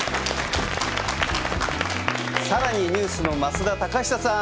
さらにＮＥＷＳの増田貴久さん！